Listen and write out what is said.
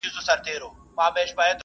خصوصي تشبثات د هېواد د اقتصاد ملا تړي دي.